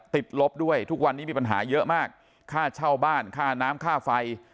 ลบด้วยทุกวันนี้มีปัญหาเยอะมากค่าเช่าบ้านค่าน้ำค่าไฟ